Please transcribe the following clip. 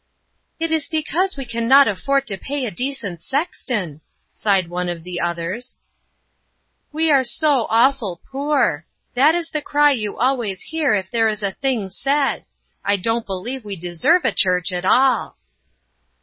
" It is because we can not afford to pay 8 decent sexton," sighed one of the others. 96 INTERRUPTED. "We are so awful poor! That is the cry you always hear if there is a thing said. I don't believe we deserve a church at all."